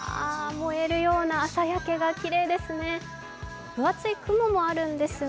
燃えるような朝焼けがきれいですね。